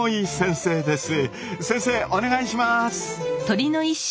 先生お願いします！